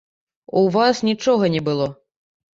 У вас нічога не было.